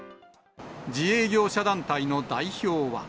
自営業者団体の代表は。